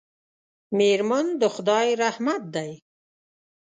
میرمن د خدای رحمت دی.